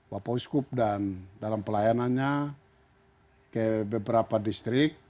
wapau iskub dan dalam pelayanannya ke beberapa distrik